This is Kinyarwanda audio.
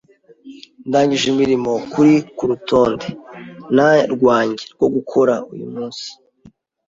Ndangije imirimo kuri kurutonde rwanjye rwo gukora uyu munsi.